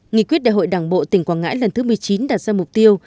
nghị quyết đại hội đảng bộ tỉnh quảng ngãi lần thứ một mươi chín đặt ra mục tiêu